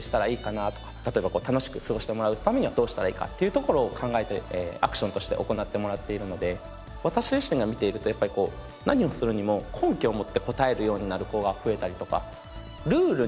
例えば楽しく過ごしてもらうためにはどうしたらいいかっていうところを考えてアクションとして行ってもらっているので私自身が見ているとやっぱりこう何をするにも根拠を持って答えるようになる子が増えたりとか。